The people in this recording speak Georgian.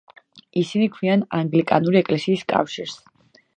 ისინი ქმნიან ანგლიკანური ეკლესიის კავშირს.